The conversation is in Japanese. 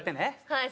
はい。